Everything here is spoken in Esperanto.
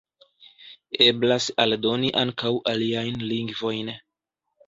Eblas aldoni ankaŭ aliajn lingvojn.